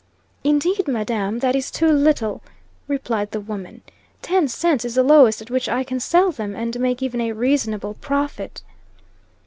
"Indeed, madam, that is too little," replied the woman; "ten cents is the lowest at which I can sell them and make even a reasonable profit."